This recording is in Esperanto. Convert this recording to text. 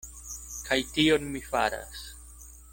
Kaj tion mi faras.